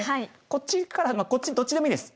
こっちからこっちどっちでもいいです。